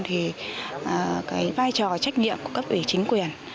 thì cái vai trò trách nhiệm của cấp ủy chính quyền